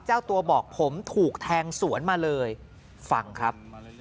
เจ้าตัวบอกผมถูกแทงสวนมาเลยฟังครับ